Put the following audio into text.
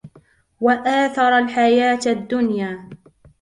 وَآثَرَ الْحَيَاةَ الدُّنْيَا